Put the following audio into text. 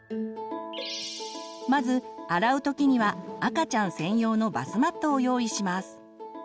まず洗う時には赤ちゃん専用のバスマットを用意します。